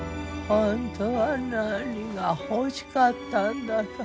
本当は何が欲しかったんだか